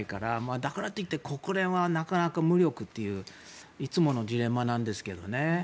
だからといって国連は無力といういつものジレンマなんですけど。